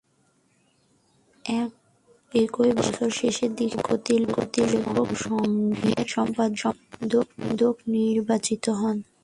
একই বছরের শেষের দিকে প্রগতি লেখক সংঘের সম্পাদক নির্বাচিত হন।